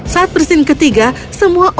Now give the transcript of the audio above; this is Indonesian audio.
saat bersin ketiga semua orang